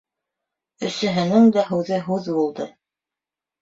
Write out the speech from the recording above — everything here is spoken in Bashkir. Өсөһөнөң дә һүҙе һүҙ булды.